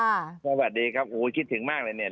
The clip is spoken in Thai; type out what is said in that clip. สวัสดีครับโอ้โหคิดถึงมากเลยเนี่ย